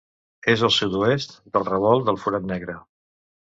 És al sud-oest del Revolt del Forat Negre.